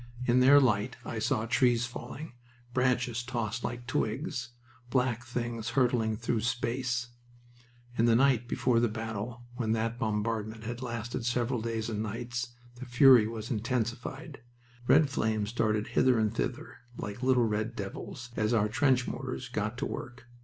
In their light I saw trees falling, branches tossed like twigs, black things hurtling through space. In the night before the battle, when that bombardment had lasted several days and nights, the fury was intensified. Red flames darted hither and thither like little red devils as our trench mortars got to work.